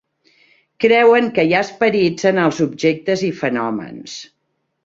Creuen que hi ha esperits en els objectes i fenòmens.